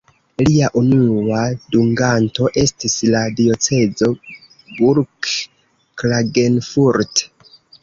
Lia unua dunganto estis la diocezo Gurk-Klagenfurt.